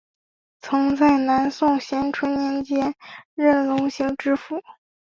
曾在南宋咸淳年间任隆兴知府。